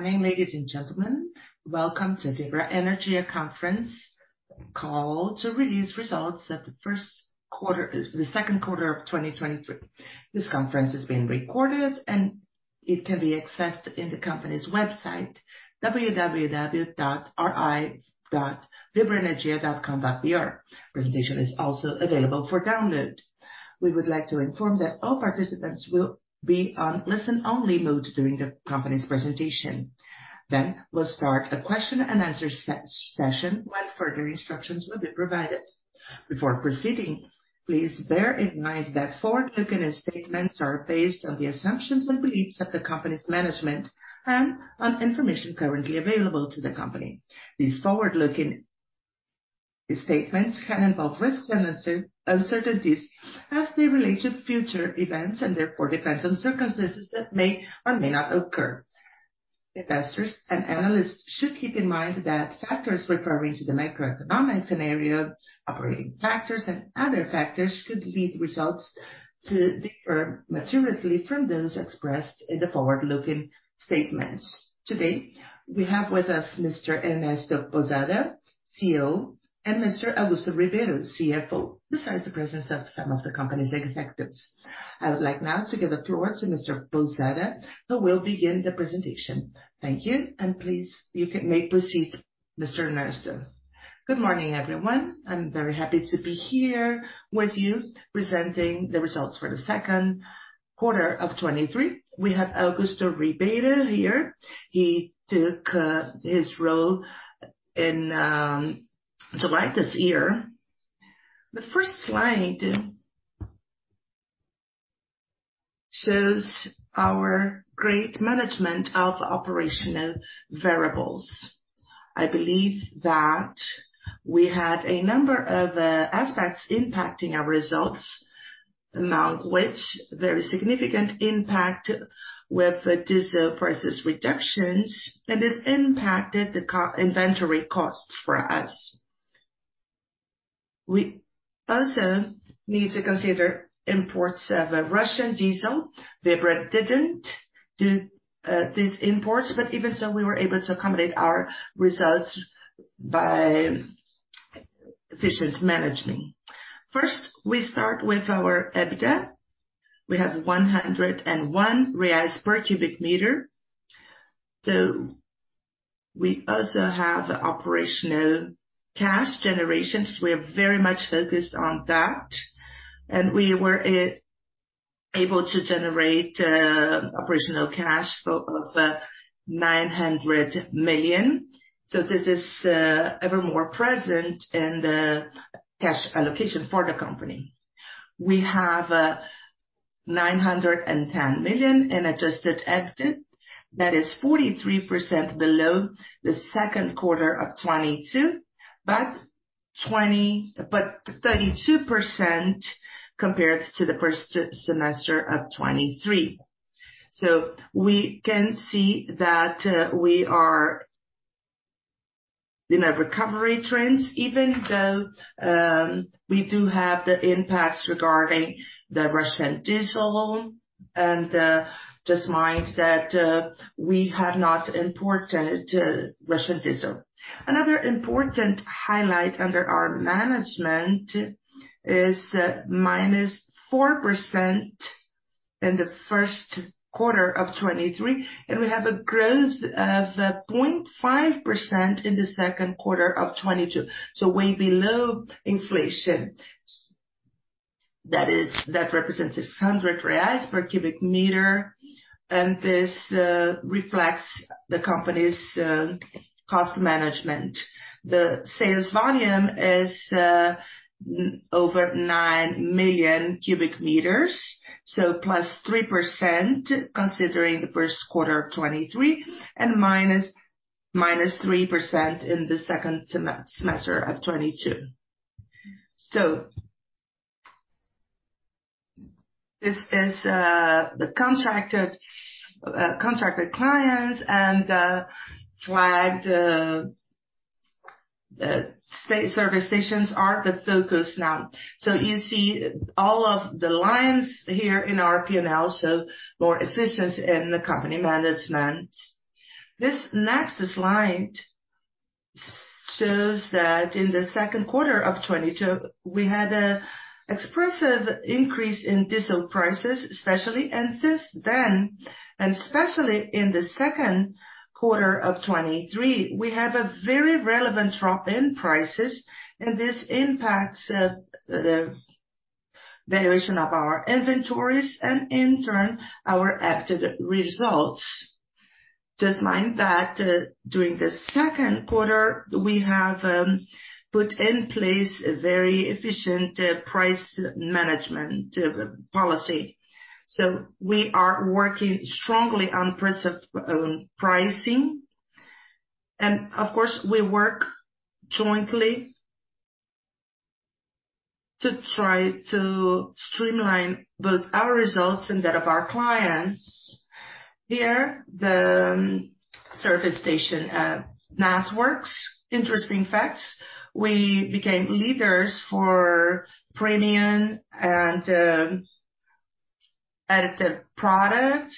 Good morning, ladies and gentlemen. Welcome to Vibra Energia conference call to release results of the 1st quarter, the 2nd quarter of 2023. This conference is being recorded. It can be accessed on the Company's website, www.ir.vibraenergia.com.br. The presentation is also available for download. We would like to inform you that all participants will be on listen-only mode during the Company's presentation. We'll start a Q&A session, when further instructions will be provided. Before proceeding, please bear in mind that forward-looking statements are based on the assumptions and beliefs of the Company's management and on information currently available to the Company. These forward-looking statements may involve risks and uncertainties as they relate to future events, and therefore depend on circumstances that may or may not occur. Investors and analysts should keep in mind that factors referring to the macroeconomic scenario, operating factors, and other factors could lead results to differ materially from those expressed in the forward-looking statements. Today, we have with us Mr. Ernesto Pousada, CEO, and Mr. Augusto Ribeiro, CFO, besides the presence of some of the company's executives. I would like now to give the floor to Mr. Pousada, who will begin the presentation. Thank you, please, you can may proceed, Mr. Ernesto. Good morning, everyone. I'm very happy to be here with you, presenting the results for the 2nd quarter of 2023. We have Augusto Ribeiro here. He took his role in July this year. The first slide shows our great management of operational variables. I believe that we had a number of aspects impacting our results, among which very significant impact with diesel prices reductions. This impacted the inventory costs for us. We also need to consider imports of Russian diesel. Vibra didn't do these imports, even so, we were able to accommodate our results by efficient management. First, we start with our EBITDA. We have 101 reais per cubic meter. We also have operational cash generations. We are very much focused on that. We were able to generate operational cash flow of 900 million. This is ever more present in the cash allocation for the company. We have 910 million in adjusted EBITDA. That is 43% below the 2nd quarter of 2022, but 32% compared to the 1st half of 2023. We can see that we are in a recovery trends, even though we do have the impacts regarding the Russian diesel and just mind that we have not imported Russian diesel. Another important highlight under our management is -4% in the 1st quarter of 2023, and we have a growth of 0.5% in the 2nd quarter of 2022. Way below inflation. That represents R$600 per cubic meter, and this reflects the company's cost management. The sales volume is over 9 million cubic meters, +3% considering the 1st quarter of 2023, and -3% in the 2nd half of 2022. This is the contracted clients and flagged service stations are the focus now. You see all of the lines here in our P&L, so more assistance in the Company management. This next slide shows that in the 2nd quarter of 2022, we had a expressive increase in diesel prices, especially, and since then, and especially in the 2nd quarter of 2023, we have a very relevant drop in prices, and this impacts the variation of our inventories and in turn, our EBITDA results. Just bear in mind that, during the 2nd quarter, we have put in place a very efficient price management policy. We are working strongly on pricing. Of course, we work jointly to try to streamline both our results and that of our clients. Here, the service station networks. Interesting facts: We became leaders for premium and added-value products.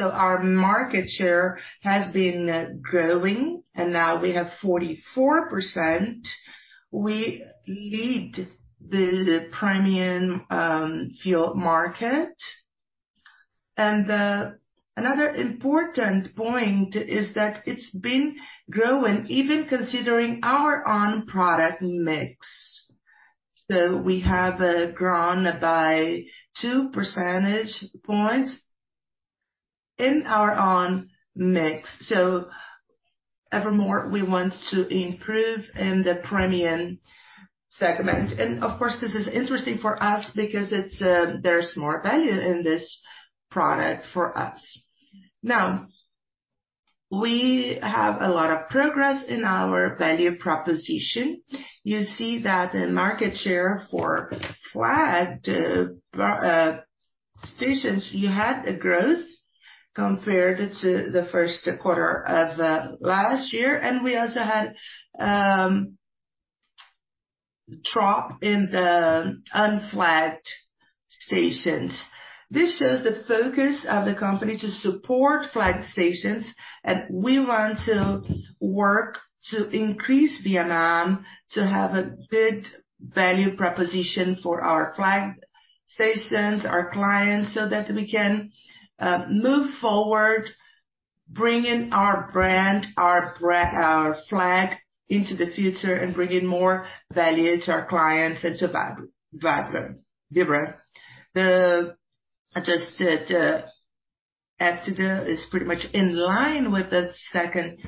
Our market share has been growing, and now we have 44%. We lead the premium fuel market. Another important point is that it's been growing, even considering our own product mix. We have grown by 2 percentage points in our own mix. Evermore, we want to improve in the premium segment. Of course, this is interesting for us because there's more value in this product for us. Now, we have a lot of progress in our value proposition. You see that in market share for flagged stations, you had a growth compared to the 1st quarter of last year, and we also had a drop in the unflagged stations. This shows the focus of the company to support flagged stations, and we want to work to increase the ANAM, to have a good value proposition for our flagged stations, our clients, so that we can move forward, bringing our brand, our flag into the future and bringing more value to our clients and to Vibra. I just said, EBITDA is pretty much in line with the 2nd...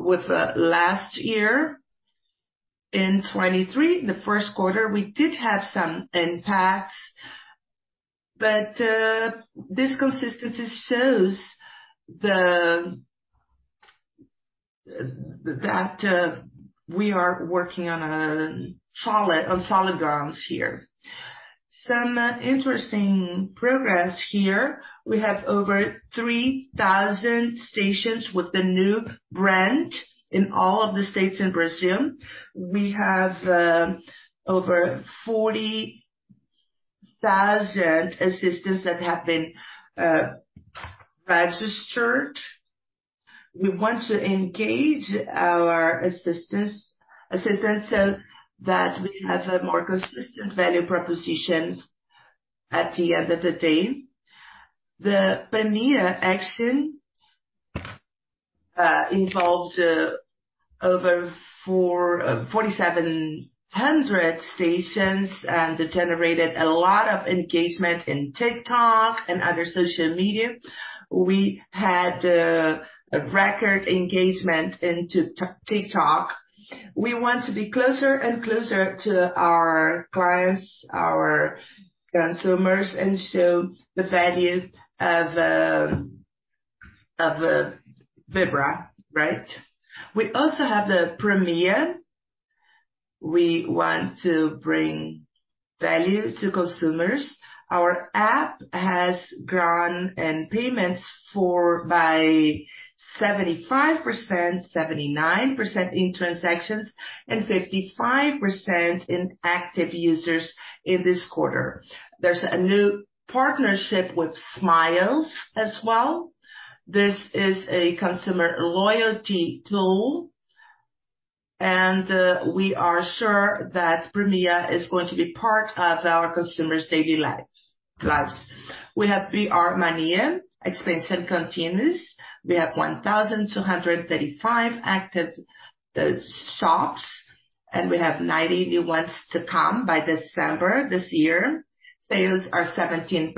With last year. In 2023, in the 1st quarter, we did have some impacts, but this consistency shows the that we are working on a solid, on solid grounds here. Some interesting progress here. We have over 3,000 stations with the new brand in all of the states in Brazil. We have over 40,000 assistants that have been registered. We want to engage our assistants, assistants, so that we have a more consistent value proposition at the end of the day. The Premmia action involved over 4,700 stations, and it generated a lot of engagement in TikTok and other social media. We had a record engagement into TikTok. We want to be closer and closer to our clients, our consumers, and show the value of Vibra, right? We also have the Premmia. We want to bring value to consumers. Our app has grown in payments for by 75%, 79% in transactions, and 55% in active users in this quarter. There's a new partnership with Smiles as well. This is a consumer loyalty tool, and we are sure that Premmia is going to be part of our consumer's daily lives, lives. We have BR Mania, expansion continues. We have 1,235 active shops. We have 90 new ones to come by December this year. Sales are 17%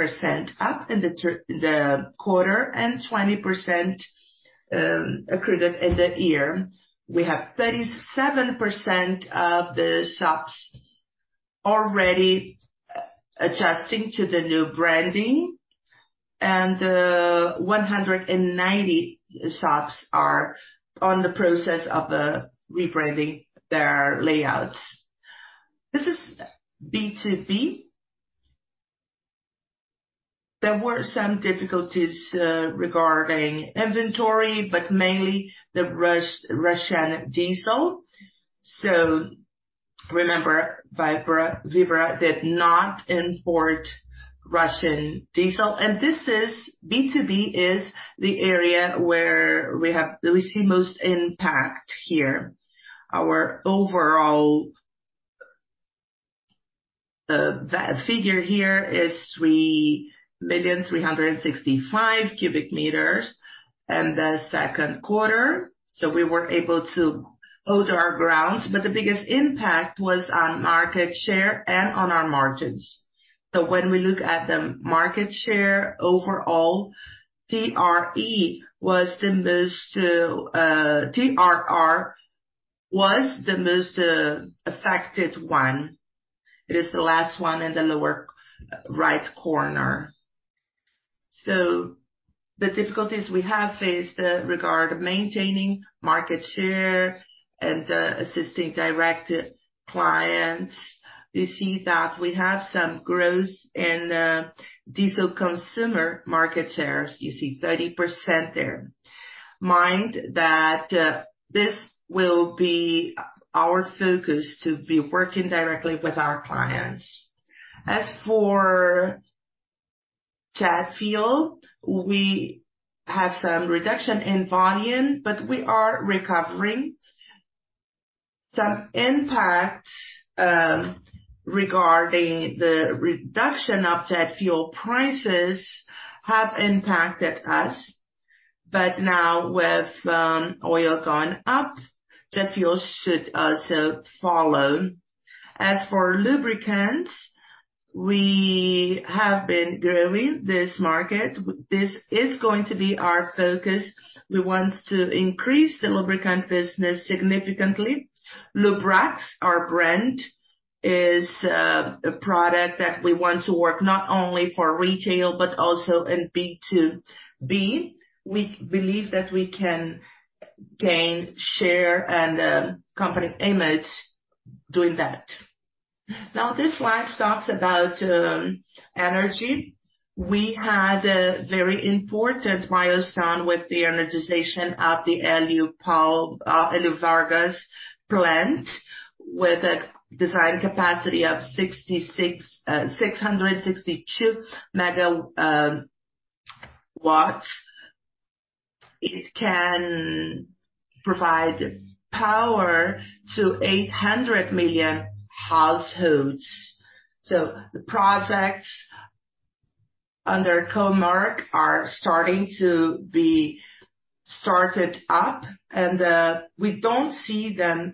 up in the quarter. 20% accretive in the year. We have 37% of the shops already adjusting to the new branding. 190 shops are on the process of rebranding their layouts. This is B2B. There were some difficulties regarding inventory, mainly the Russian diesel. Remember, Vibra did not import Russian diesel. This is, B2B is the area where we see most impact here. Our overall that figure here is 3,365,000 cubic meters in the 2nd quarter. We were able to hold our grounds, the biggest impact was on market share and on our margins. When we look at the market share overall, TRE was the most, TRR was the most affected one. It is the last one in the lower right corner. The difficulties we have faced, regard maintaining market share and assisting direct clients. You see that we have some growth in diesel consumer market shares. You see 30% there. Bear in mind that this will be our focus to be working directly with our clients. As for jet fuel, we have some reduction in volume, but we are recovering. Some impact regarding the reduction of jet fuel prices has impacted us. Now with oil going up, jet fuel should also follow. As for lubricants, we have been growing this market. This is going to be our focus. We want to increase the lubricant business significantly. Lubrax, our brand, is a product that we want to work on not only for retail but also in B2B. We believe that we can gain share and Company image doing that. This slide talks about energy. We had a very important milestone with the energization of the Hélio Valgas plant, with a design capacity of 662 MW. It can provide power to 800,000 households. The projects under Comerc are starting to be started up, and we don't see them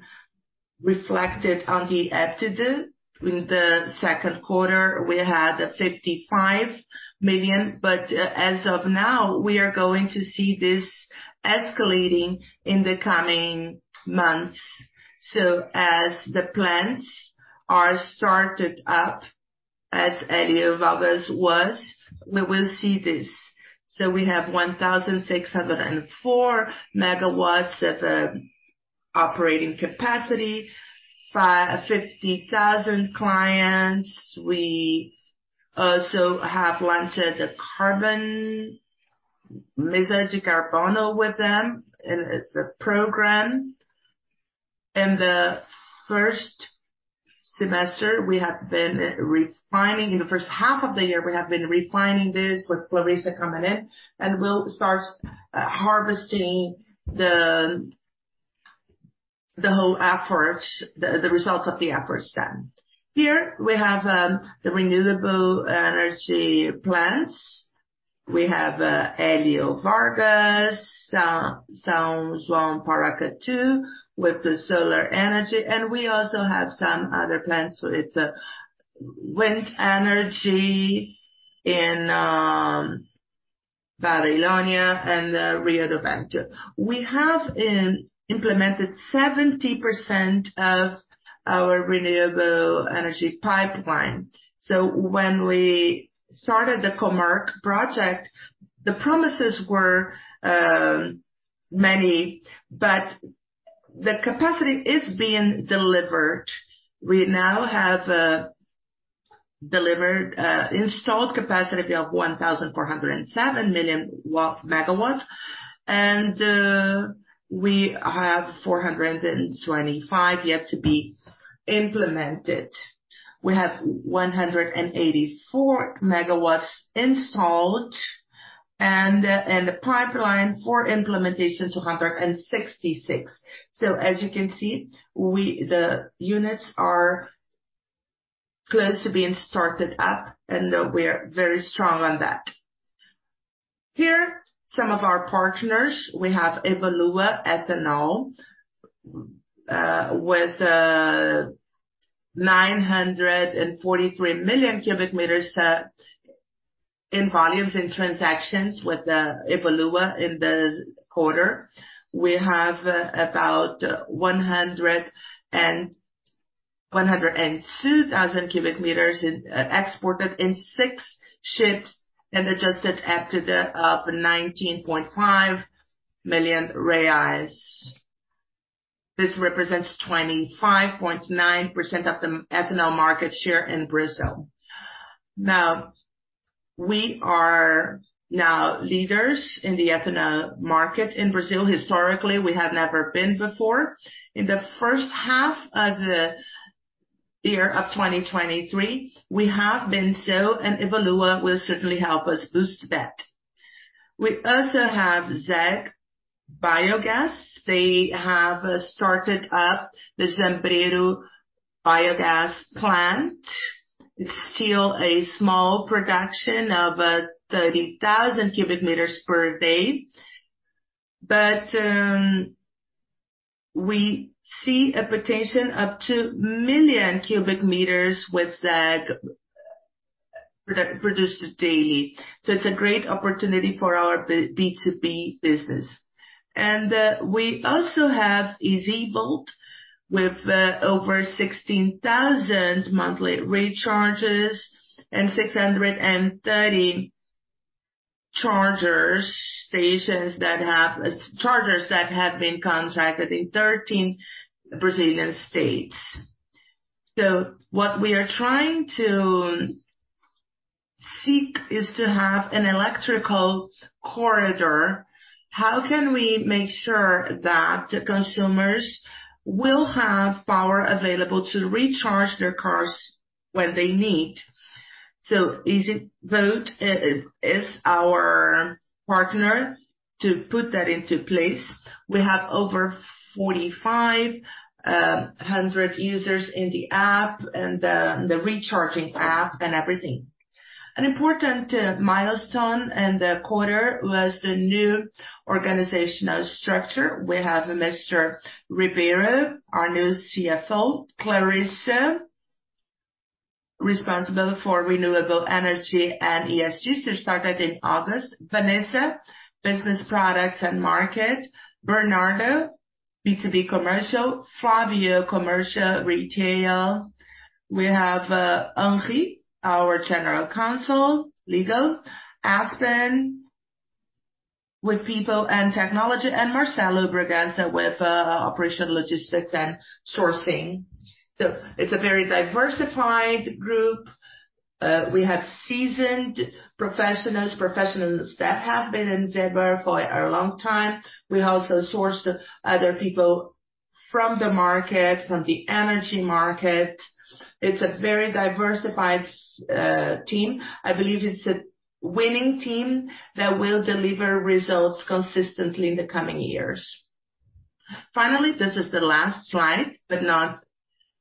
reflected on the EBITDA. In the 2nd quarter, we had 55 million, but as of now, we are going to see this escalating in the coming months. As the plants are started up, as Hélio Valgas was, we will see this. We have 1,604 MW at the operating capacity, 50,000 clients. We also have launched a carbon, Mesas de Carbono, with them, and it's a program. In the 1st half of the year, we have been refining this with Clarissa coming in, and we'll start harvesting the, the whole efforts, the, the results of the efforts then. Here we have the renewable energy plants. We have Hélio Vargas and São João do Paracatu, with the solar energy, and we also have some other plants. It's wind energy in Babilônia and Rio do Vento. We have implemented 70% of our renewable energy pipeline. When we started the Comerc project, the promises were many, but the capacity is being delivered. We now have delivered installed capacity of 1,407 MW, we have 425 yet to be implemented. We have 184 MW installed and a pipeline for implementation, 266. As you can see, the units are close to being started up, we are very strong on that. Here, some of our partners. We have Evolua Etanol with 943 million cubic meters in volumes in transactions with Evolua in the quarter. We have about 102,000 cubic meters exported in six ships and adjusted EBITDA of 19.5 million reais. This represents 25.9% of the ethanol market share in Brazil. Now, we are now leaders in the ethanol market in Brazil. Historically, we have never been before. In the 1st half of 2023, we have been so. Evolua Etanol will certainly help us boost that. We also have ZEG Biogás. They have started up the Jambeiro Biogás plant. It's still a small production of 30,000 cubic meters per day, we see a potential of 2 million cubic meters with ZEG produced daily. It's a great opportunity for our B2B business. We also have EZVolt, with over 16,000 monthly recharges and 630 chargers that have been contracted in 13 Brazilian states. What we are trying to seek is to have an electrical corridor. How can we make sure that the consumers will have power available to recharge their cars when they need? EZVolt is our partner to put that into place. We have over 4,500 users in the app and the, the recharging app and everything. An important milestone in the quarter was the new organizational structure. We have Mr. Ribeiro, our new CFO. Clarissa, responsible for renewable energy and ESG, she started in August. Vanessa, business products and market. Bernardo, B2B commercial. Flávio, commercial retail. We have Henry, our general counsel, legal. Aspen with people and technology, and Marcelo Bragança with operational logistics and sourcing. It's a very diversified group. We have seasoned professionals, professionals that have been in Vibra for a long time. We also sourced other people from the market, from the energy market. It's a very diversified team. I believe it's a winning team that will deliver results consistently in the coming years. Finally, this is the last slide, but not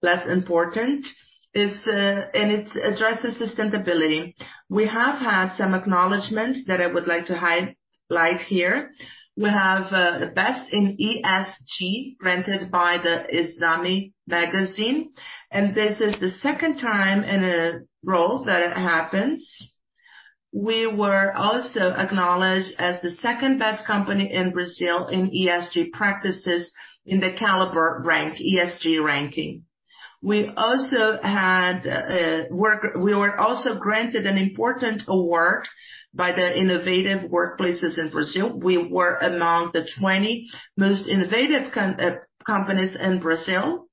less important, is, and it addresses sustainability. We have had some acknowledgement that I would like to highlight here. We have the Best in ESG, granted by the Exame magazine, and this is the second time in a row that it happens. We were also acknowledged as the second-best company in Brazil in ESG practices in the Caliber ranking, ESG ranking. We were also granted an important award by the innovative workplaces in Brazil. We were among the 20 most innovative companies in Brazil.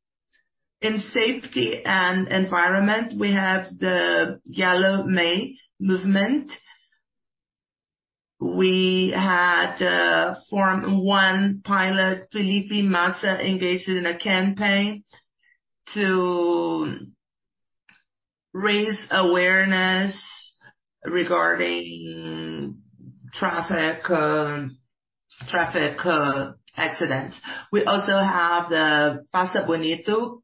In safety and environment, we have the Yellow May movement. We had Formula One pilot, Felipe Massa, engaged in a campaign to raise awareness regarding traffic, traffic accidents. We also have the Faça Bonito,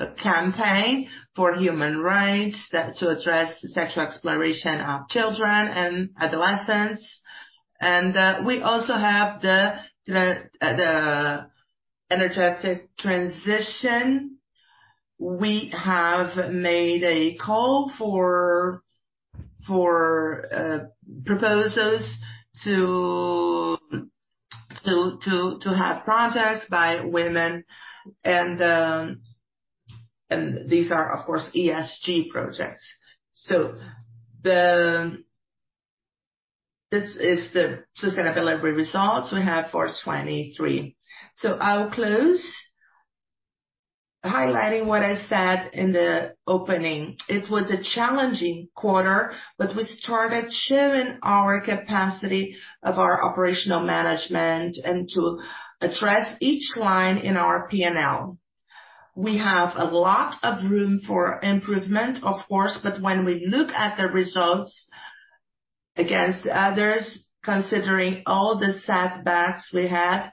a campaign for human rights, that to address sexual exploitation of children and adolescents. We also have the energy transition. We have made a call for, for proposals to have projects by women, and these are, of course, ESG projects. This is the sustainability results we have for 2023. I'll close, highlighting what I said in the opening. It was a challenging quarter, but we started showing our capacity of our operational management and to address each line in our P&L. We have a lot of room for improvement, of course, but when we look at the results against others, considering all the setbacks we had,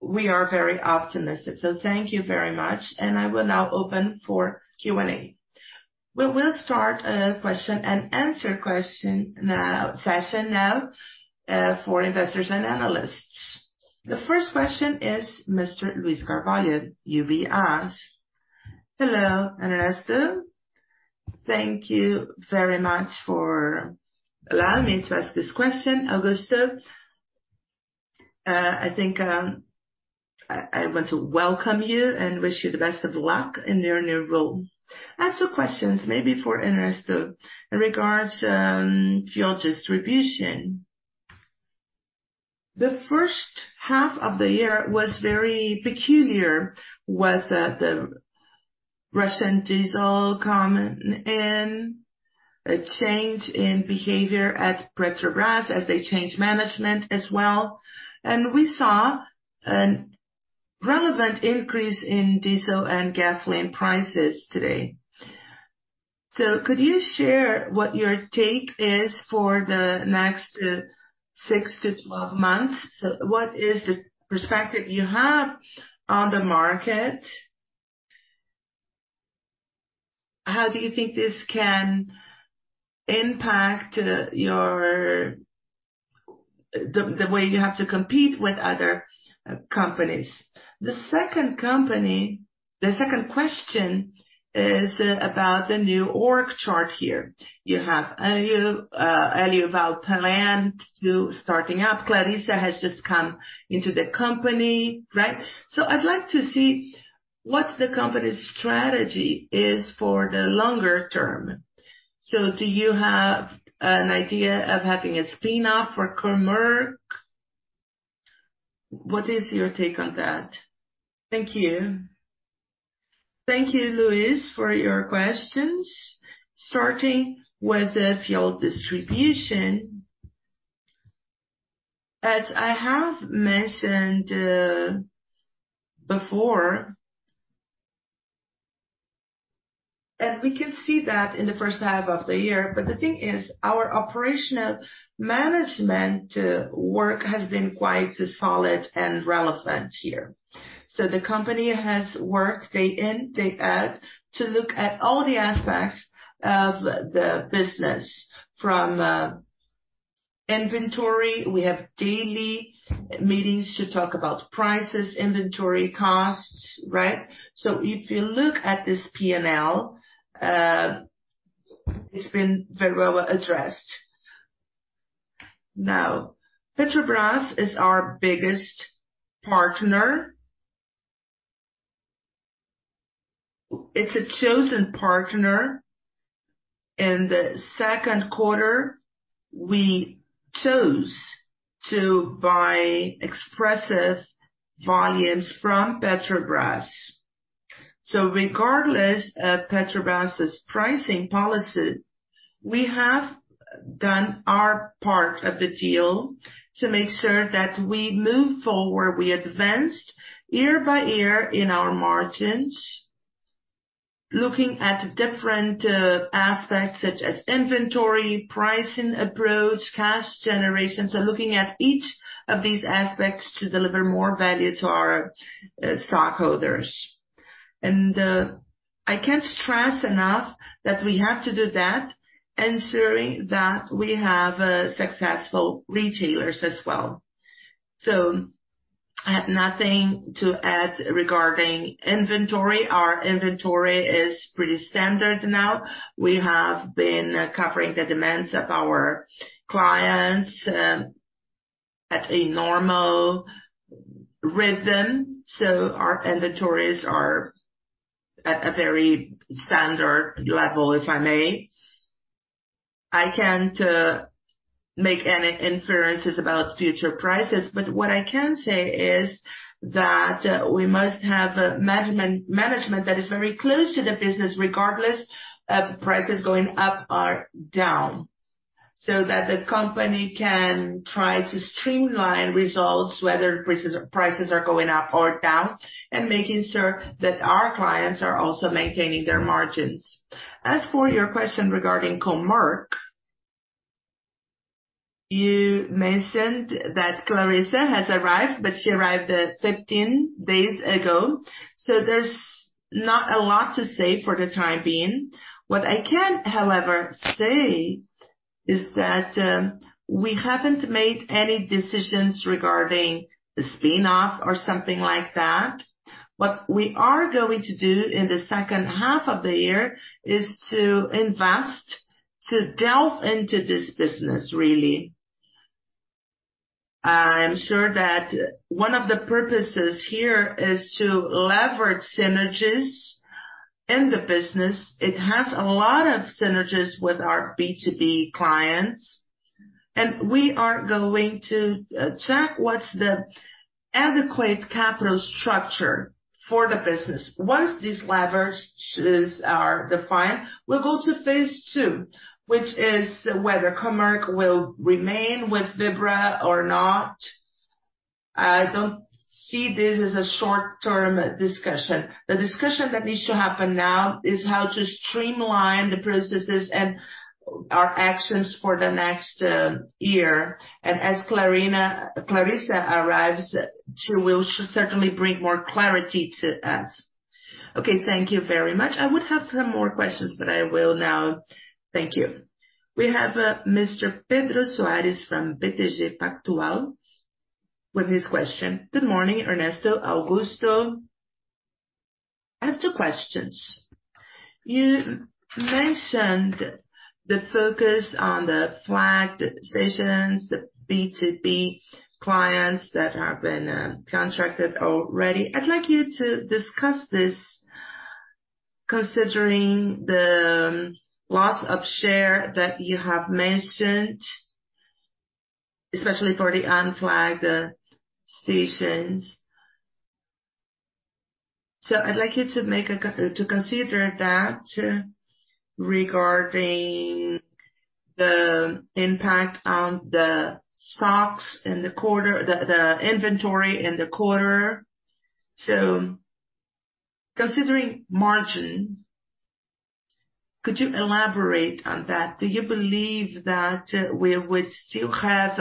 we are very optimistic. Thank you very much, and I will now open for Q&A. We will start a question and answer session now for investors and analysts. The first question is Mr. Luiz Carvalho, UBS BB. Hello, Ernesto. Thank you very much for allowing me to ask this question, Augusto. I think, I want to welcome you and wish you the best of luck in your new role. I have some questions, maybe for Ernesto, in regards to fuel distribution. The 1st half of the year was very peculiar, with the Russian diesel coming in, a change in behavior at Petrobras, as they changed management as well. We saw an relevant increase in diesel and gasoline prices today. Could you share what your take is for the next six to 12 months? What is the perspective you have on the market? How do you think this can impact your... The, the way you have to compete with other companies? The second question is about the new org chart here. You have Hélio Valgas plant starting up. Clarissa has just come into the company, right? I'd like to see what the company's strategy is for the longer term. Do you have an idea of having a spin-off for Comerc Energia? What is your take on that? Thank you. Thank you, Luiz, for your questions. Starting with the fuel distribution, as I have mentioned before, and we can see that in the 1st half of the year, but the thing is, our operational management work has been quite solid and relevant here. The Company has worked day in, day out, to look at all the aspects of the business. From inventory, we have daily meetings to talk about prices, inventory costs, right? If you look at this P&L, it's been very well addressed. Now, Petrobras is our biggest partner. It's a chosen partner. In the 2nd quarter, we chose to buy expressive volumes from Petrobras. Regardless of Petrobras' pricing policy, we have done our part of the deal to make sure that we move forward. We advanced year by year in our margins, looking at different aspects such as inventory, pricing approach, and cash generation. Looking at each of these aspects to deliver more value to our stockholders. I can't stress enough that we have to do that, ensuring that we have successful retailers as well. I have nothing to add regarding inventory. Our inventory is pretty standard now. We have been covering the demands of our clients at a normal rhythm. Our inventories are at a very standard level, if I may. I can't make any inferences about future prices. What I can say is that we must have a management that is very close to the business, regardless of prices going up or down, so that the Company can try to streamline results, whether prices are going up or down, and making sure that our clients are also maintaining their margins. As for your question regarding Comerc, you mentioned that Clarissa has arrived. She arrived 15 days ago. There's not a lot to say for the time being. What I can, however, say is that we haven't made any decisions regarding the spin-off or something like that. What we are going to do in the second half of the year is to invest, to delve into this business, really. I'm sure that one of the purposes here is to leverage synergies in the business. It has a lot of synergies with our B2B clients, and we are going to check what's the adequate capital structure for the business. Once these leverages are defined, we'll go to Phase 2, which is whether Comerc will remain with Vibra or not. I don't see this as a short-term discussion. The discussion that needs to happen now is how to streamline the processes and our actions for the next year. As Clarissa arrives, she will she certainly bring more clarity to us. Okay, thank you very much. I would have some more questions, but I will now... Thank you. We have Mr. Pedro Soares from BTG Pactual with his question. Good morning, Ernesto, Augusto. I have two questions. You mentioned the focus on the flagged stations, the B2B clients that have been contracted already. I'd like you to discuss this, considering the loss of share that you have mentioned, especially for the unflagged stations. I'd like you to make to consider that regarding the impact on the stocks in the quarter, the inventory in the quarter. Considering margin, could you elaborate on that? Do you believe that we would still have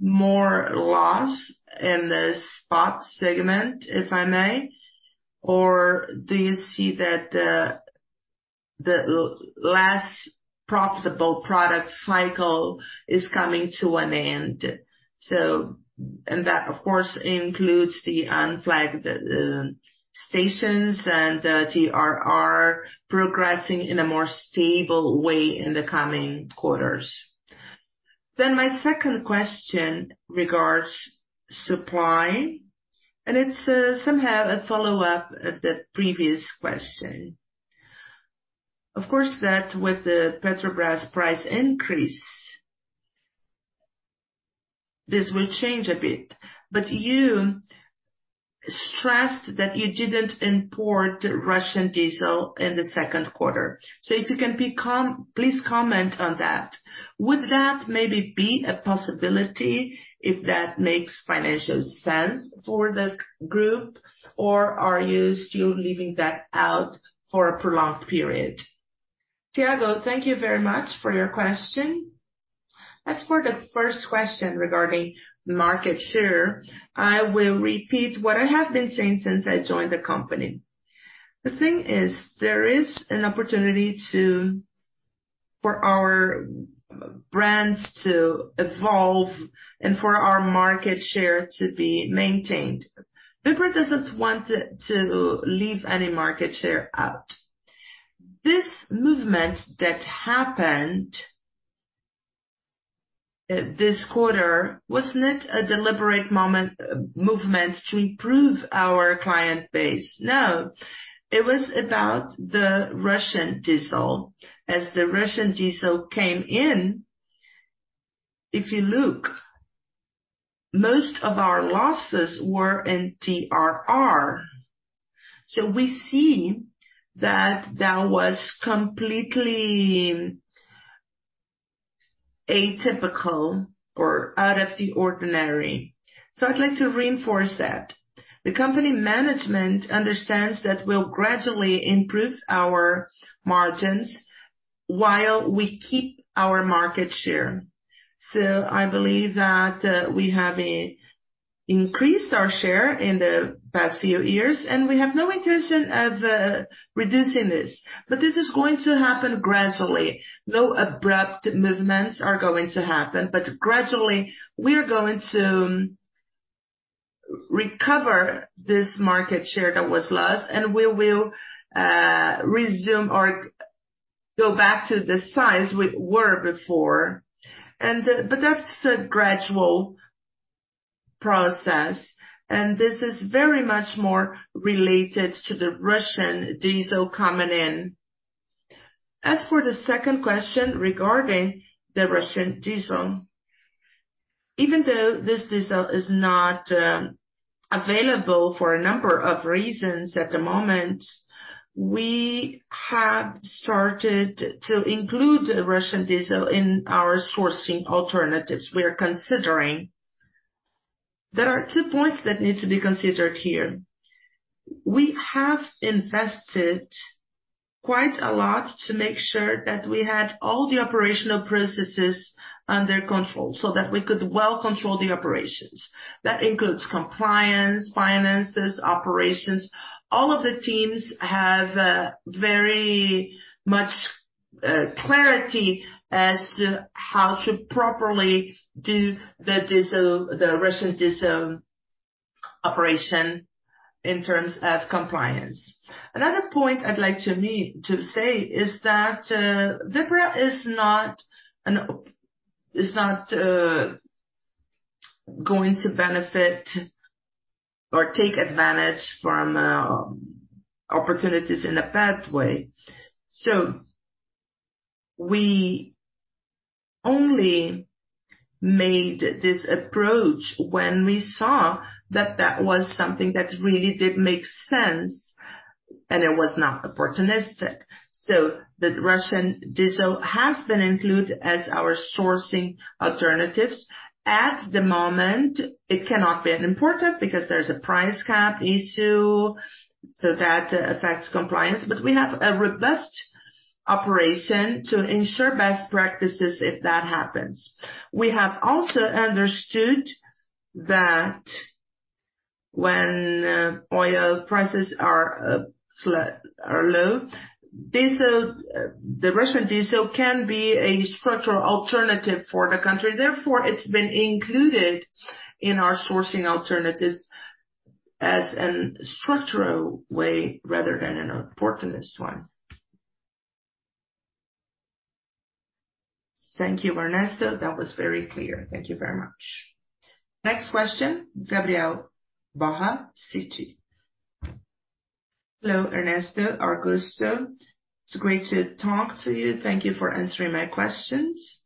more loss in the spot segment, if I may? Do you see that the less profitable product cycle is coming to an end? That, of course, includes the unflagged stations and the TRR progressing in a more stable way in the coming quarters. My second question regards supply, and it's somehow a follow-up of the previous question. Of course, that with the Petrobras price increase, this will change a bit. You stressed that you didn't import Russian diesel in the 2nd quarter. If you can be, please comment on that. Would that maybe be a possibility if that makes financial sense for the group, or are you still leaving that out for a prolonged period? Thiago, thank you very much for your question. For the first question regarding market share, I will repeat what I have been saying since I joined the Company. The thing is, there is an opportunity to, for our brands to evolve and for our market share to be maintained. Vibra doesn't want to, to leave any market share out. This movement that happened this quarter was not a deliberate movement to improve our client base. It was about the Russian diesel. As the Russian diesel came in, if you look, most of our losses were in TRR. We see that that was completely atypical or out of the ordinary. I'd like to reinforce that. The Company management understands that we'll gradually improve our margins while we keep our market share. I believe that we have increased our share in the past few years, and we have no intention of reducing this. This is going to happen gradually. No abrupt movements are going to happen, but gradually we are going to recover this market share that was lost, and we will, resume or go back to the size we were before. But that's a gradual process, and this is very much more related to the Russian diesel coming in. The second question regarding the Russian diesel, even though this diesel is not available for a number of reasons at the moment, we have started to include the Russian diesel in our sourcing alternatives we are considering. There are two points that need to be considered here. We have invested quite a lot to make sure that we had all the operational processes under control, so that we could well control the operations. That includes compliance, finances, operations. All of the teams have very much clarity as to how to properly do the diesel, the Russian diesel operation in terms of compliance. Another point I'd like to say is that Vibra is not going to benefit or take advantage from opportunities in a bad way. We only made this approach when we saw that that was something that really did make sense, and it was not opportunistic. The Russian diesel has been included as our sourcing alternatives. At the moment, it cannot be imported because there's a price cap issue, so that affects compliance. We have a robust operation to ensure best practices if that happens. We have also understood that when oil prices are low, diesel, the Russian diesel can be a structural alternative for the country. Therefore, it's been included in our sourcing alternatives as an structural way rather than an opportunist one. Thank you, Ernesto. That was very clear. Thank you very much. Next question, Gabriel Barra, Citi. Hello, Ernesto, Augusto. It's great to talk to you. Thank you for answering my questions.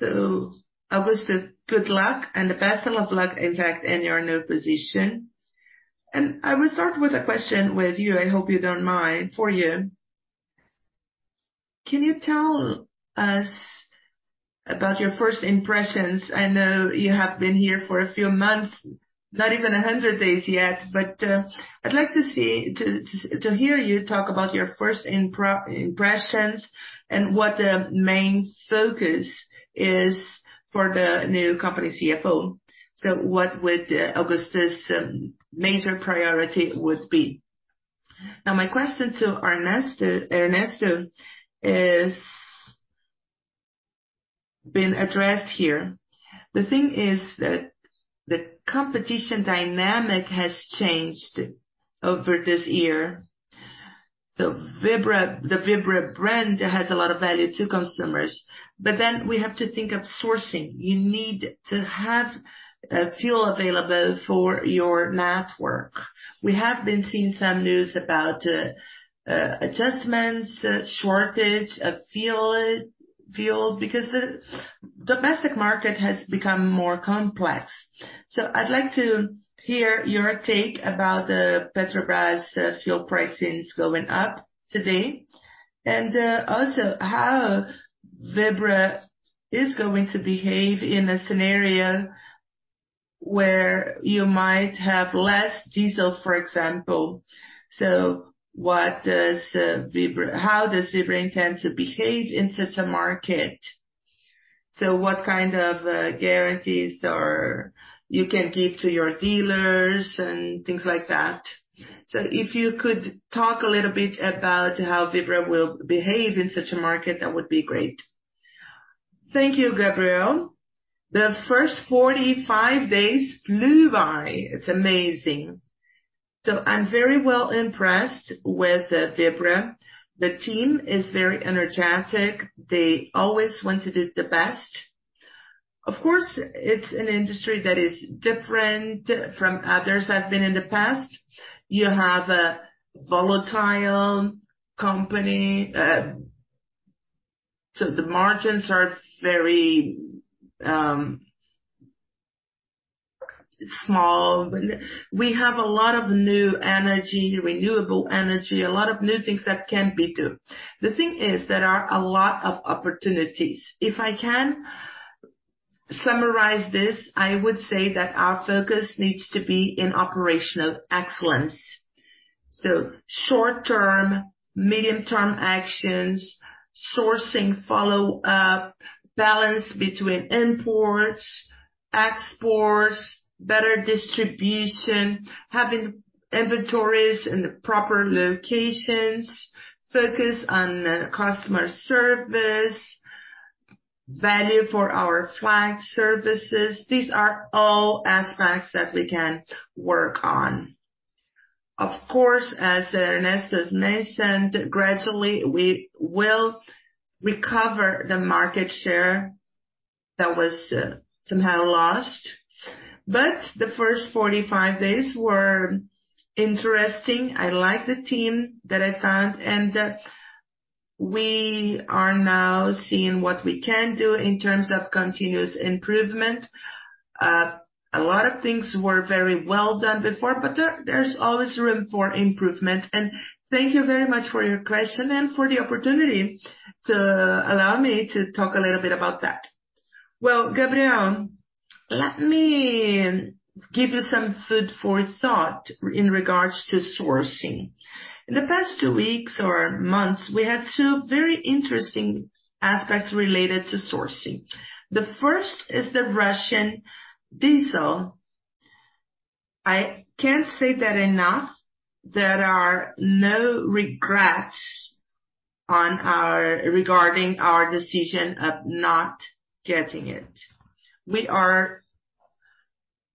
Augusto, good luck and the best of luck, in fact, in your new position. I will start with a question with you, I hope you don't mind, for you. Can you tell us about your first impressions? I know you have been here for a few months, not even 100 days yet, but I'd like to see, to, to, to hear you talk about your first impressions and what the main focus is for the new company CFO. What would Augusto's major priority would be? Now, my question to Ernesto, Ernesto, is been addressed here. The thing is that the competition dynamic has changed over this year. Vibra, the Vibra brand has a lot of value to consumers, but then we have to think of sourcing. You need to have fuel available for your network. We have been seeing some news about adjustments, shortage of fuel. Fuel, because the domestic market has become more complex. I'd like to hear your take about the Petrobras fuel pricings going up today, and also how Vibra is going to behave in a scenario where you might have less diesel, for example. What does Vibra, how does Vibra intend to behave in such a market? What kind of guarantees you can give to your dealers and things like that. If you could talk a little bit about how Vibra will behave in such a market, that would be great. Thank you, Gabrielle. The first 45 days flew by. It's amazing. I'm very well impressed with Vibra. The team is very energetic. They always want to do the best. Of course, it's an industry that is different from others I've been in the past. You have a volatile company, so the margins are very small. We have a lot of new energy, renewable energy, a lot of new things that can be done. The thing is, there are a lot of opportunities. If I can summarize this, I would say that our focus needs to be in operational excellence. Short-term, medium-term actions, sourcing, follow-up, balance between imports, exports, better distribution, having inventories in the proper locations, focus on the customer service, value for our flag services. These are all aspects that we can work on. Of course, as Ernesto has mentioned, gradually we will recover the market share that was somehow lost. The first 45 days were interesting. I like the team that I found, and we are now seeing what we can do in terms of continuous improvement. A lot of things were very well done before, but there's always room for improvement. Thank you very much for your question and for the opportunity to allow me to talk a little bit about that. Well, Gabriel, let me give you some food for thought in regards to sourcing. In the past two weeks or months, we had two very interesting aspects related to sourcing. The first is the Russian diesel. I can't say that enough, there are no regrets regarding our decision of not getting it. We are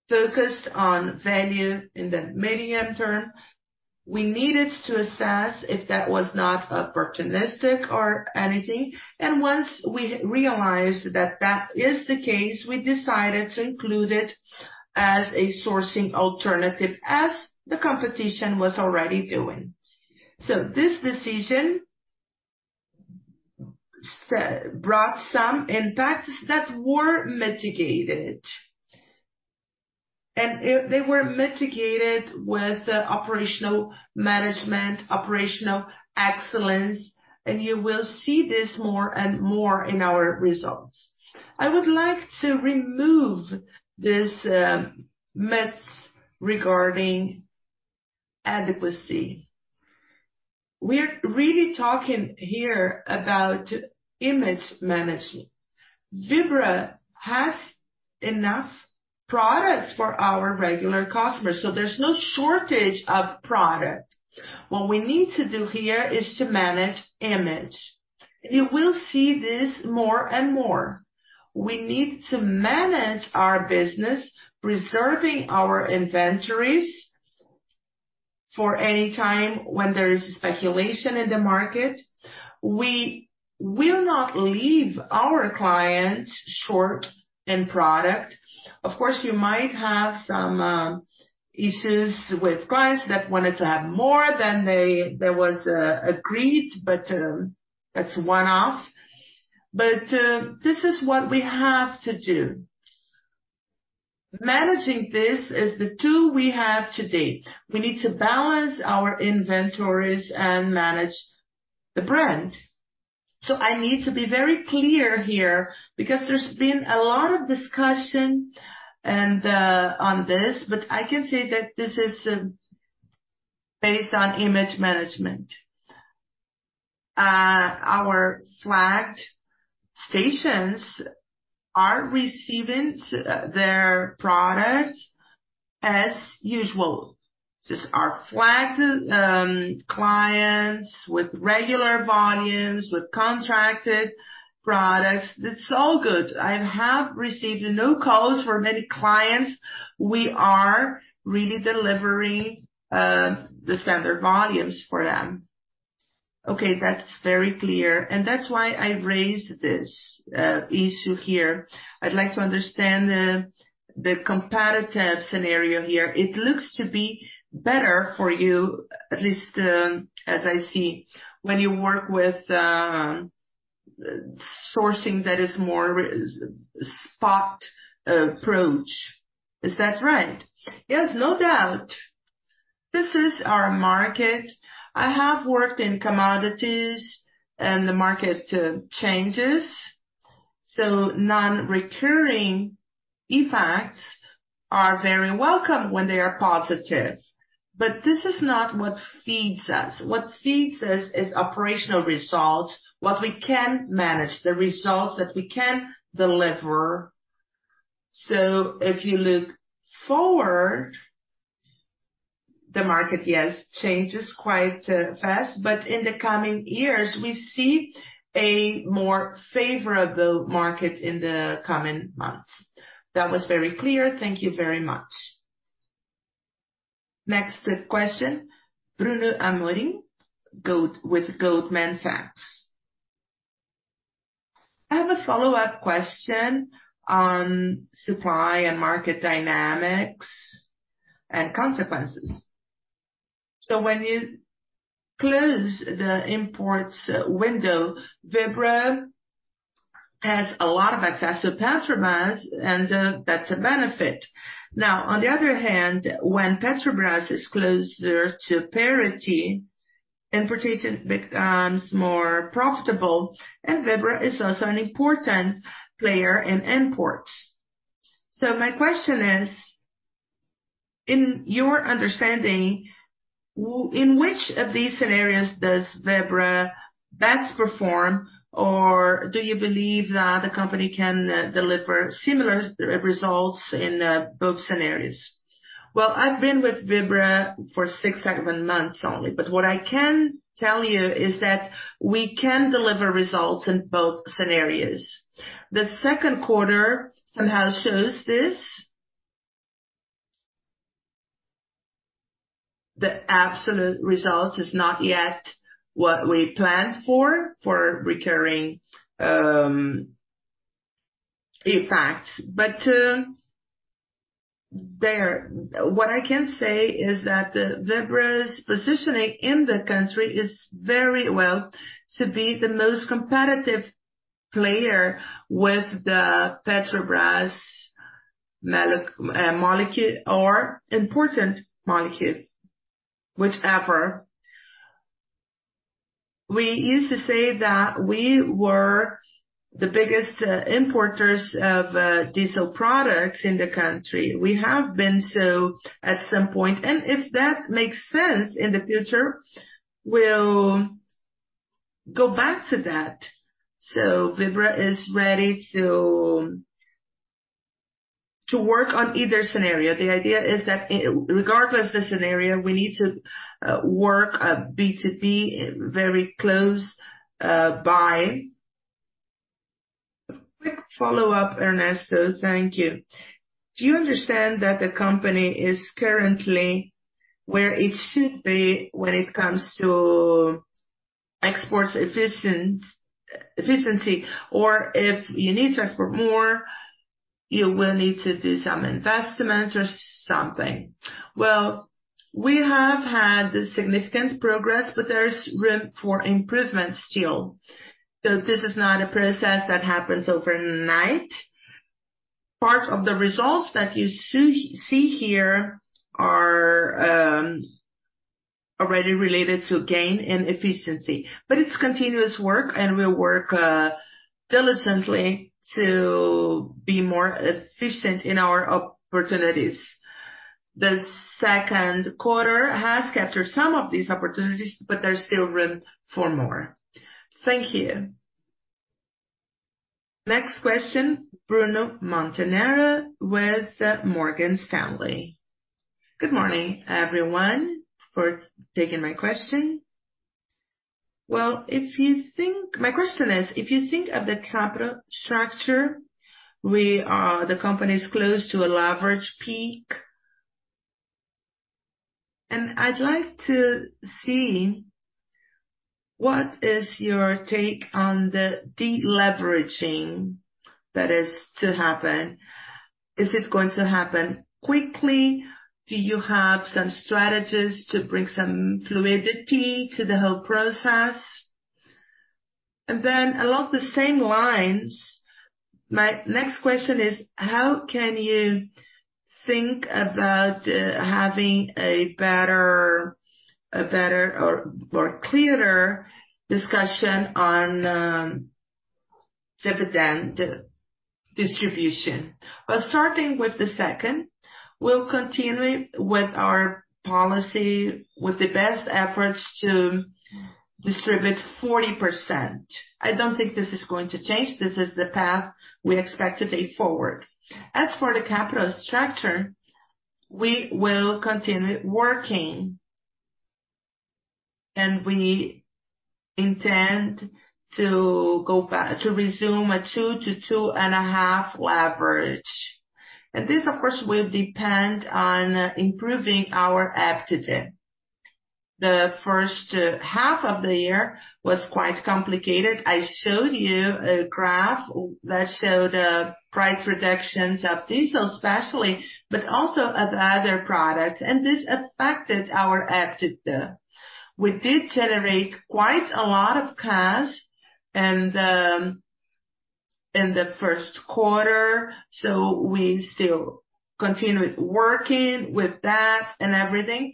focused on value in the medium term. We needed to assess if that was not opportunistic or anything, and once we realized that that is the case, we decided to include it as a sourcing alternative, as the competition was already doing. So this decision brought some impacts that were mitigated, and they were mitigated with operational management, operational excellence, and you will see this more and more in our results. I would like to remove these myths regarding adequacy. We're really talking here about image management. Vibra has enough products for our regular customers, so there's no shortage of product. What we need to do here is to manage image. You will see this more and more. We need to manage our business, preserving our inventories for any time when there is speculation in the market. We will not leave our clients short in product. You might have some issues with clients that wanted to have more than what was agreed, that's one-off. This is what we have to do. Managing this is the tool we have to date. We need to balance our inventories and manage the brand. I need to be very clear here, because there's been a lot of discussion and on this, but I can say that this is based on image management. Our flagged stations are receiving their products as usual. Just our flagged clients with regular volumes, with contracted products, it's all good. I have received no calls from many clients. We are really delivering the standard volumes for them. That's very clear, and that's why I raised this issue here. I'd like to understand the, the competitive scenario here. It looks to be better for you. At least, as I see, when you work with sourcing, that is a more spot approach. Is that right? Yes, no doubt. This is our market. I have worked in commodities, and the market changes, so non-recurring effects are very welcome when they are positive. This is not what feeds us. What feeds us is operational results, what we can manage, the results that we can deliver. If you look forward, the market, yes, changes quite fast, but in the coming years, we see a more favorable market in the coming months. That was very clear. Thank you very much. Next question, Bruno Amorim with Goldman Sachs. I have a follow-up question on supply and market dynamics and consequences. When you close the imports window, Vibra has a lot of access to Petrobras, and that's a benefit. On the other hand, when Petrobras is closer to parity, importation becomes more profitable, and Vibra is also an important player in imports. My question is: In your understanding, in which of these scenarios does Vibra best perform, or do you believe that the company can deliver similar results in both scenarios? Well, I've been with Vibra for six or seven months only, but what I can tell you is that we can deliver results in both scenarios. The 2nd quarter somehow shows this. The absolute results is not yet what we planned for, for recurring effects. There, what I can say is that the Vibra's positioning in the country is very well to be the most competitive player with the Petrobras molec, molecule or important molecule, whichever. We used to say that we were the biggest importers of diesel products in the country. We have been so at some point, and if that makes sense in the future, we'll go back to that. Vibra is ready to work on either scenario. The idea is that i- regardless of scenario, we need to work B2B, very close by. A quick follow-up, Ernesto. Thank you. Do you understand that the company is currently where it should be when it comes to exports efficiency, or if you need to export more, you will need to do some investments or something? We have had significant progress, but there is room for improvement still. This is not a process that happens overnight. Part of the results that you see here are already related to gain and efficiency, but it's continuous work, and we work diligently to be more efficient in our opportunities. The 2nd quarter has captured some of these opportunities, but there's still room for more. Thank you. Next question, Bruno Montanari with Morgan Stanley. Good morning, everyone, for taking my question. My question is, if you think of the capital structure, we are, the company is close to a leverage peak. I'd like to see, what is your take on the deleveraging that is to happen? Is it going to happen quickly? Do you have some strategies to bring some fluidity to the whole process? Along the same lines, my next question is: How can you think about having a better, a better or, or clearer discussion on dividend distribution? Well, starting with the second, we'll continue with our policy, with the best efforts to distribute 40%. I don't think this is going to change. This is the path we expect to take forward. As for the capital structure, we will continue working, and we intend to go back-- to resume a 2x-2.5x leverage. This, of course, will depend on improving our EBITDA. The 1st half of the year was quite complicated. I showed you a graph that showed price reductions of diesel especially, but also of the other products, and this affected our EBITDA. We did generate quite a lot of cash. In the 1st quarter, we still continue working with that and everything.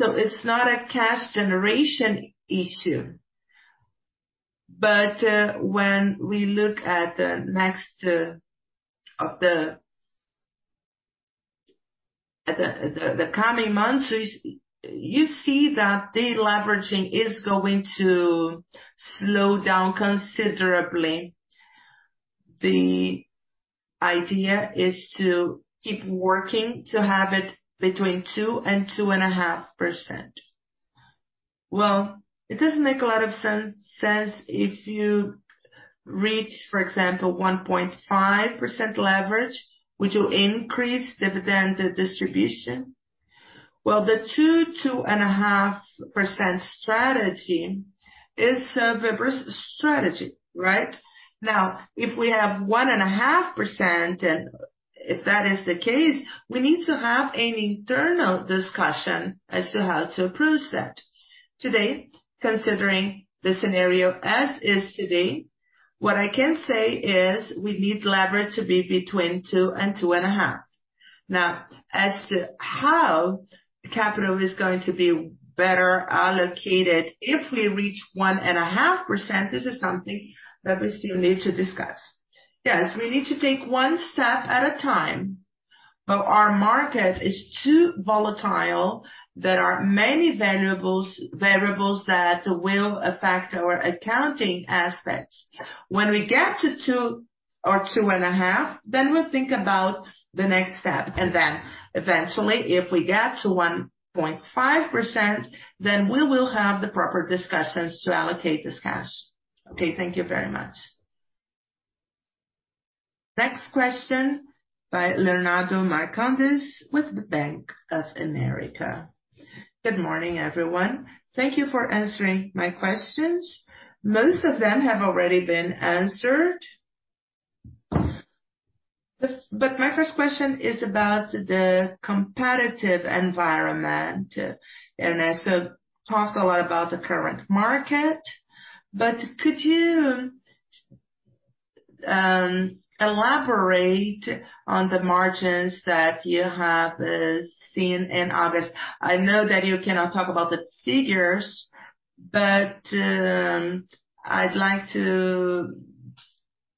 It's not a cash generation issue. When we look at the next coming months, you see that the leveraging is going to slow down considerably. The idea is to keep working, to have it between 2x-2.5x. Well, it doesn't make a lot of sense if you reach, for example, 1.5x leverage, would you increase dividend distribution? Well, the 2x-2.5x strategy is a vigorous strategy, right? Now, if we have 1.5x, and if that is the case, we need to have an internal discussion as to how to approach that. Today, considering the scenario as is today, what I can say is we need leverage to be between 2x and 2.5x. As to how the capital is going to be better allocated, if we reach 1.5x, this is something that we still need to discuss. We need to take one step at a time, but our market is too volatile. There are many variables, variables that will affect our accounting aspects. When we get to 2x or 2.5x, then we'll think about the next step. Then eventually, if we get to 1.5x, then we will have the proper discussions to allocate this cash. Okay, thank you very much. Next question by Leonardo Marcondes with Bank of America. Good morning, everyone. Thank you for answering my questions. Most of them have already been answered. My first question is about the competitive environment, and I talk a lot about the current market. Could you elaborate on the margins that you have seen in August? I know that you cannot talk about the figures, but I'd like to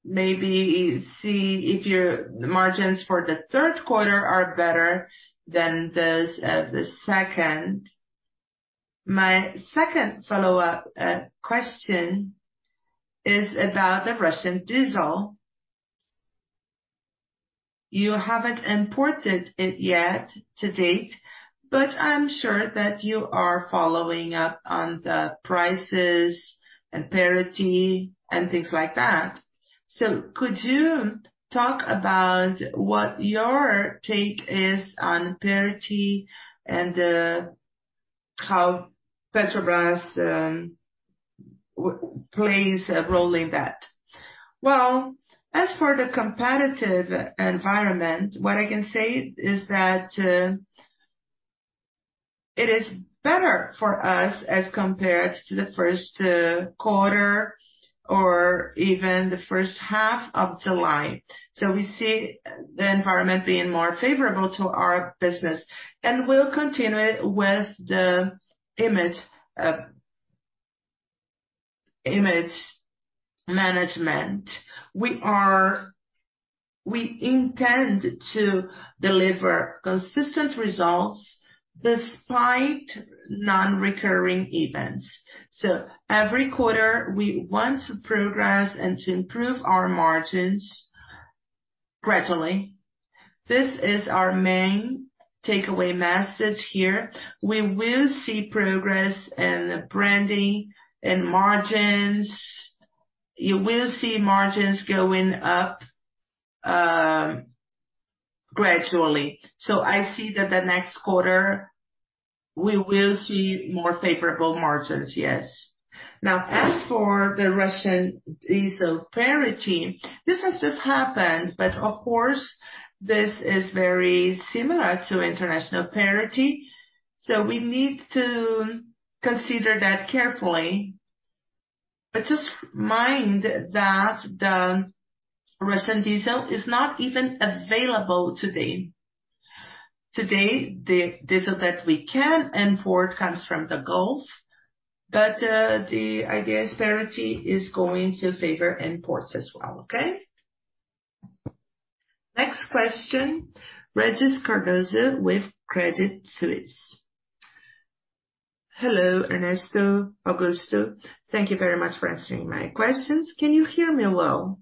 maybe see if your margins for the 3rd quarter are better than those of the 2nd. My second follow-up question is about the Russian diesel. You haven't imported it yet to date, but I'm sure that you are following up on the prices and parity and things like that. Could you talk about what your take is on parity and how Petrobras plays a role in that? As for the competitive environment, what I can say is that it is better for us as compared to the 1st quarter or even the first half of July. We see the environment being more favorable to our business, and we'll continue with the image management. We intend to deliver consistent results despite non-recurring events. Every quarter, we want to progress and to improve our margins gradually. This is our main takeaway message here. We will see progress in the branding and margins. You will see margins going up gradually. I see that the next quarter we will see more favorable margins. Yes. As for the Russian diesel parity, this has just happened, but of course, this is very similar to international parity, so we need to consider that carefully. Just mind that the Russian diesel is not even available today. Today, the diesel that we can import comes from the Gulf, but the idea is parity is going to favor imports as well, okay? Next question, Regis Cardoso with XP Investimentos. Hello, Ernesto, Augusto. Thank you very much for answering my questions. Can you hear me well?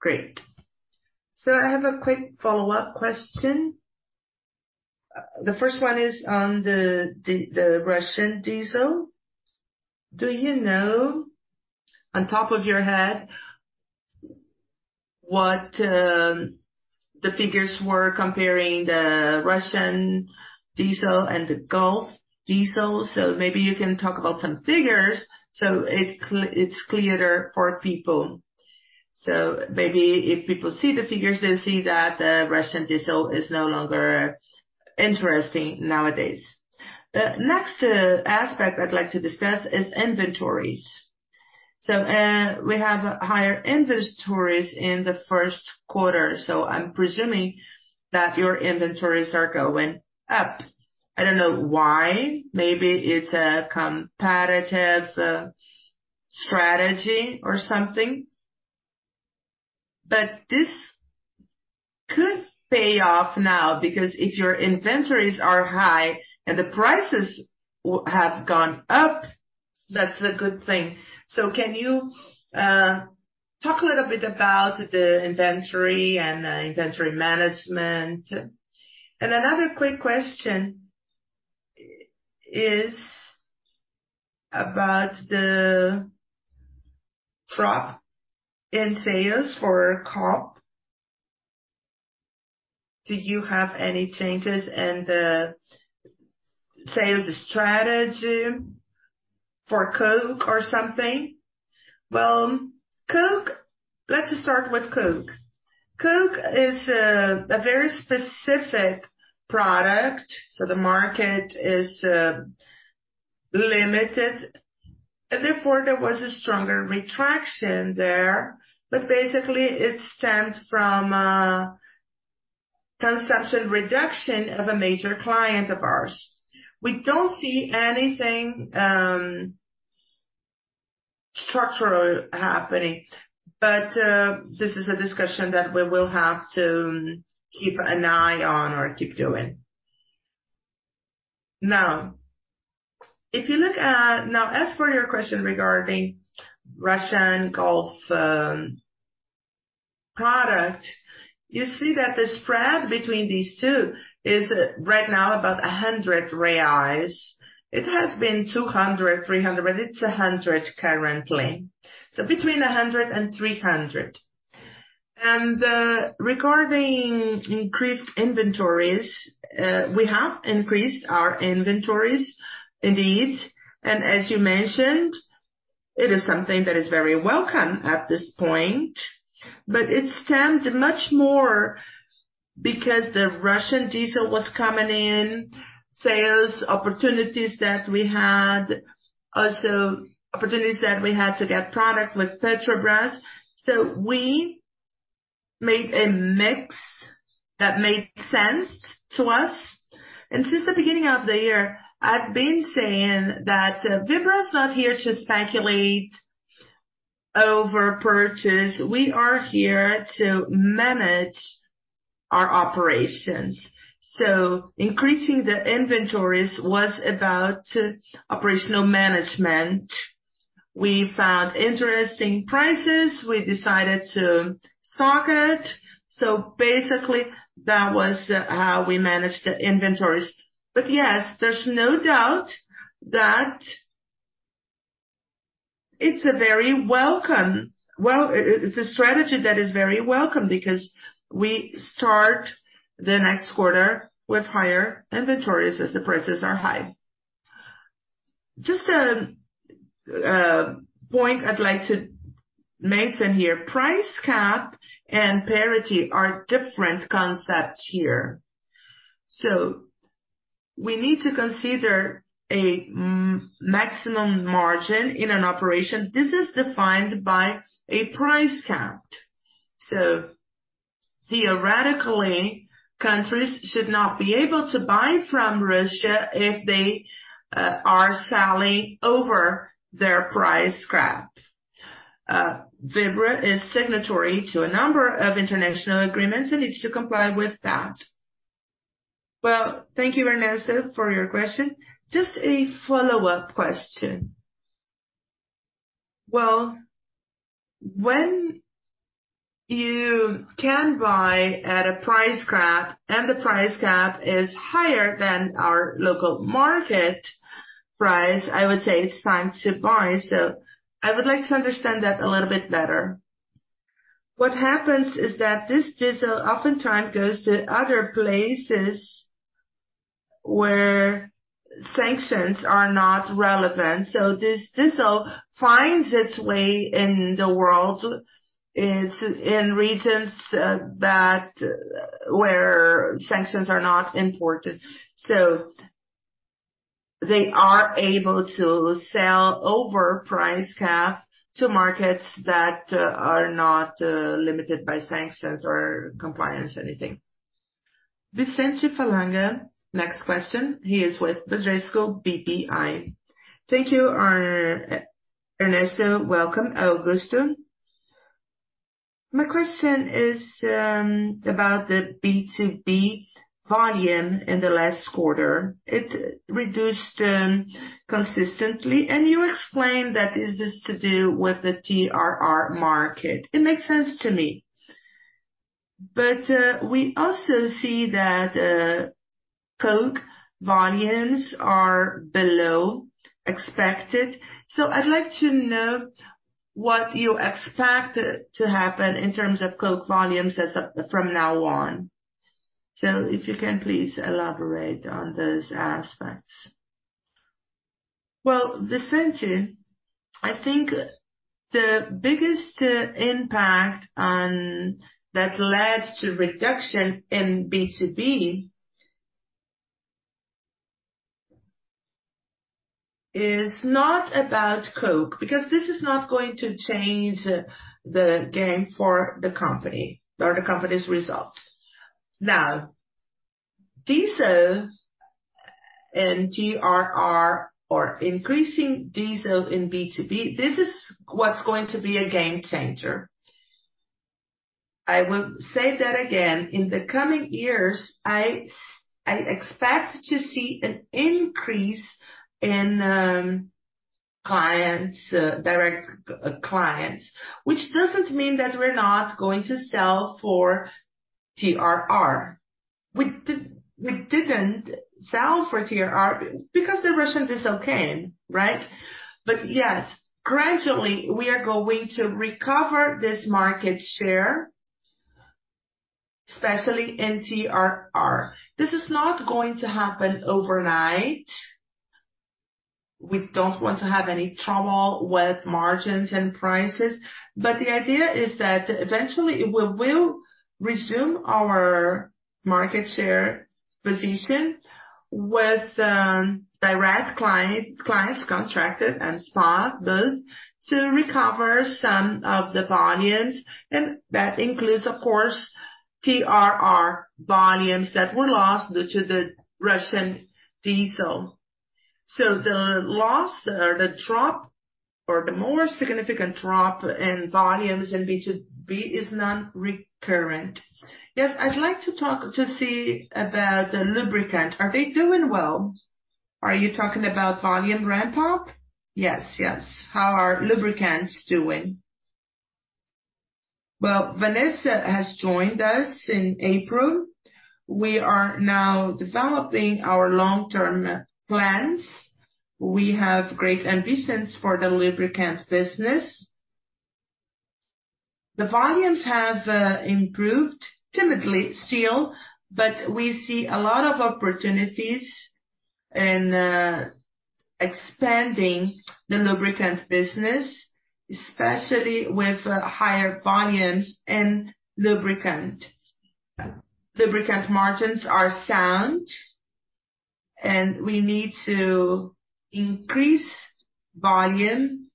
Great. I have a quick follow-up question. The first one is on the, the, the Russian diesel. Do you know, on top of your head, what the figures were comparing the Russian diesel and the Gulf diesel? Maybe you can talk about some figures so it's clearer for people. Maybe if people see the figures, they'll see that the Russian diesel is no longer interesting nowadays. The next aspect I'd like to discuss is inventories. We have higher inventories in the 1st quarter, so I'm presuming that your inventories are going up. I don't know why. Maybe it's a competitive strategy or something, but this could pay off now, because if your inventories are high and the prices have gone up, that's a good thing. Can you talk a little bit about the inventory and inventory management? Another quick question is about the drop in sales for coke. Do you have any changes in the sales strategy for coke or something? Coke, let's start with coke. Coke is a very specific product, so the market is limited, and therefore, there was a stronger retraction there. Basically, it stemmed from a conception reduction of a major client of ours. We don't see anything structural happening, but this is a discussion that we will have to keep an eye on or keep doing. If you look at, as for your question regarding Russian Gulf product, you see that the spread between these two is right now about 100 reais. It has been 200, 300, but it's 100 currently. Between 100 and 300. Regarding increased inventories, we have increased our inventories indeed, and as you mentioned, it is something that is very welcome at this point, but it stemmed much more because the Russian diesel was coming in, sales opportunities that we had, also opportunities that we had to get product with Petrobras. We made a mix that made sense to us. Since the beginning of the year, I've been saying that Vibra is not here to speculate over purchase. We are here to manage our operations. Increasing the inventories was about operational management. We found interesting prices. We decided to stock it. Basically, that was how we managed the inventories. Yes, there's no doubt that it's a very welcome... Well, it, it's a strategy that is very welcome because we start the next quarter with higher inventories as the prices are high. Just a point I'd like to mention here, price cap and parity are different concepts here. We need to consider a maximum margin in an operation. This is defined by a price cap. Theoretically, countries should not be able to buy from Russia if they are selling over their price cap. Vibra is signatory to a number of international agreements and needs to comply with that. Well, thank you, Ernesto, for your question. Just a follow-up question. Well, when you can buy at a price cap, and the price cap is higher than our local market price, I would say it's time to buy. I would like to understand that a little bit better. What happens is that this diesel oftentimes goes to other places where sanctions are not relevant. This diesel finds its way in the world, it's in regions, that where sanctions are not important. They are able to sell over price cap to markets that are not, limited by sanctions or compliance, anything. Vicente Falanga, next question. He is with the Bradesco BBI. Thank you, Ernesto. Welcome, Augusto. My question is about the B2B volume in the last quarter. It reduced, consistently, and you explained that this is to do with the TRR market. It makes sense to me. We also see that coke volumes are below expected. I'd like to know what you expect to happen in terms of coke volumes from now on. If you can please elaborate on those aspects. Well, Vicente, I think the biggest impact that led to reduction in B2B, is not about coke, because this is not going to change the game for the company or the company's results. Now, diesel and TRR or increasing diesel in B2B, this is what's going to be a game changer. I will say that again. In the coming years, I, I expect to see an increase in clients, direct clients, which doesn't mean that we're not going to sell for TRR. We didn't sell for TRR because the Russian is okay, right? Yes, gradually we are going to recover this market share, especially in TRR. This is not going to happen overnight. We don't want to have any trouble with margins and prices, the idea is that eventually, we will resume our market share position with direct clients, contracted and spot, both, to recover some of the volumes, and that includes, of course, TRR volumes that were lost due to the Russian diesel. The loss or the drop or the more significant drop in volumes in B2B is non-recurrent. Yes, I'd like to talk, to see about the lubricant. Are they doing well? Are you talking about volume ramp-up? Yes, yes. How are lubricants doing? Well, Vanessa has joined us in April. We are now developing our long-term plans. We have great ambitions for the lubricants business. The volumes have improved timidly still, but we see a lot of opportunities in expanding the lubricant business, especially with higher volumes and lubricant. Lubricant margins are sound, we need to increase volume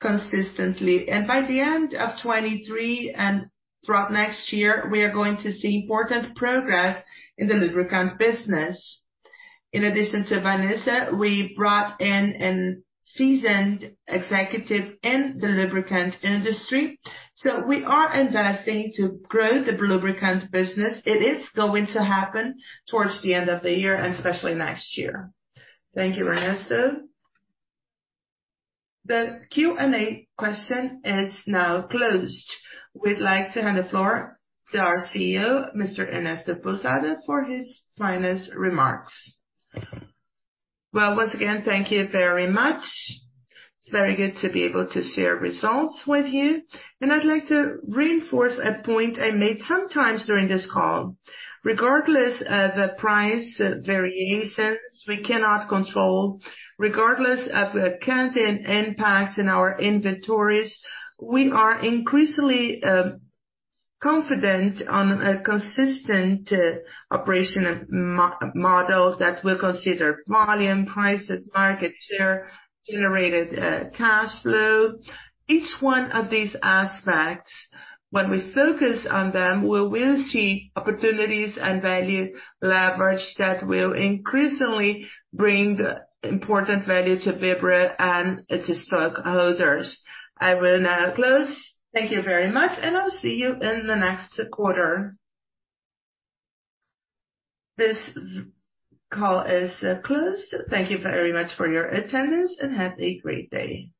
consistently. By the end of 23 and throughout next year, we are going to see important progress in the lubricant business. In addition to Vanessa, we brought in an seasoned executive in the lubricant industry. We are investing to grow the lubricant business. It is going to happen towards the end of the year and especially next year. Thank you, Ernesto. The Q&A question is now closed. We'd like to hand the floor to our CEO, Mr. Ernesto Pousada, for his final remarks. Well, once again, thank you very much. It's very good to be able to share results with you. I'd like to reinforce a point I made sometimes during this call. Regardless of the price variations, we cannot control, regardless of the current impacts in our inventories, we are increasingly confident on a consistent operational model that will consider volume, prices, market share, generated cash flow. Each one of these aspects, when we focus on them, we will see opportunities and value leverage that will increasingly bring important value to Vibra and to stockholders. I will now close. Thank you very much. I'll see you in the next quarter. This call is closed. Thank you very much for your attendance. Have a great day.